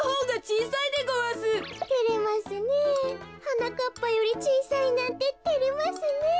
はなかっぱよりちいさいなんててれますねえ。